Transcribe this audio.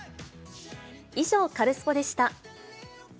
以上、カルスポっ！でした。